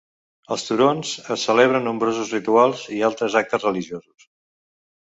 Als turons es celebren nombrosos rituals i altres actes religiosos.